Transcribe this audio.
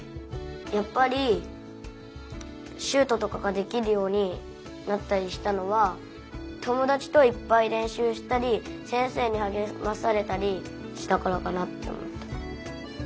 やっぱりシュートとかができるようになったりしたのは友だちといっぱいれんしゅうしたり先生にはげまされたりしたからかなっておもった。